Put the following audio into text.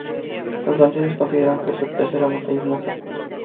Los franceses consideran que es su tercera montaña más alta.